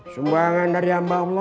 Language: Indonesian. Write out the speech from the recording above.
sumbangan dari amba omlo